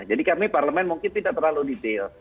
jadi kami parlemen mungkin tidak terlalu detail